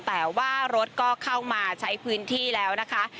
แต่ว่ารถก็เข้ามาใช้พื้นที่แล้วนะคะ